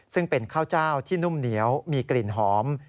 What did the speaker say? ซึ่งเป็นข้าวเจ้าที่นุ่มเหนียวมีกลิ่นหอม